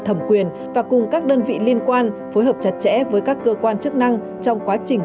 thẩm quyền và cùng các đơn vị liên quan phối hợp chặt chẽ với các cơ quan chức năng trong quá trình